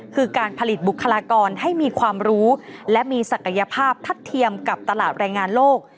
คือการผลิตบุคลากรให้มีความรู้และมีศักยภาพทัดเทียมกับตลาดแรงงานโลก